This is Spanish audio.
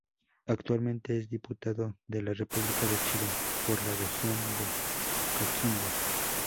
Actualmente es Diputado de la República de Chile, por la región de Coquimbo.